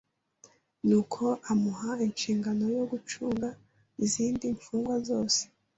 Nuko amuha inshingano yo gucunga izindi mfungwa zose